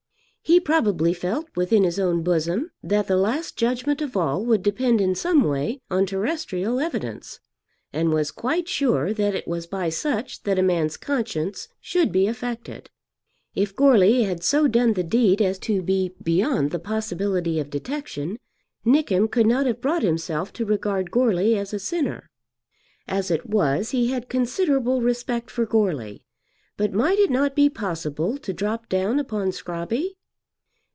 He probably felt within his own bosom that the last judgment of all would depend in some way on terrestrial evidence, and was quite sure that it was by such that a man's conscience should be affected. If Goarly had so done the deed as to be beyond the possibility of detection, Nickem could not have brought himself to regard Goarly as a sinner. As it was he had considerable respect for Goarly; but might it not be possible to drop down upon Scrobby?